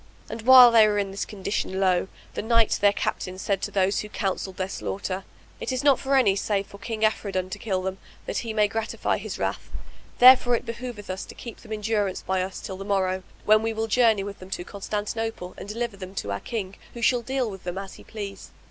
And while they were in this condition, lo! the knight their captain said to those who counselled their slaughter, "It is not for any save for King Afridun to kill them, that he may gratify his wrath; therefore it behoveth us to keep them in durance by us till the morrow, when we will journey with them to Constantinople and deliver them to our King, who shall deal with them as he please."